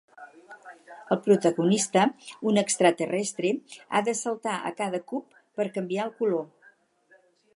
El protagonista, un extraterrestre, ha de saltar a cada cub per canviar el color.